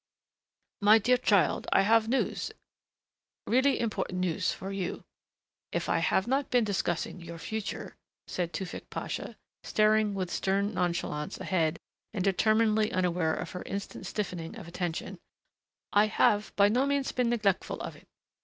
"My dear child, I have news, really important news for you. If I have not been discussing your future," said Tewfick Pasha, staring with stern nonchalance ahead and determinedly unaware of her instant stiffening of attention, "I have by no means been neglectful of it....